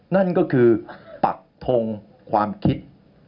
นั่นก็คือปักทงความคิด